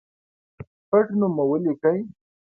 پټنوم مو ولیکئ